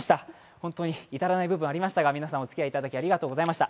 本当に至らない部分ありましたが、皆さんおつきあいいただき、ありがとうございました。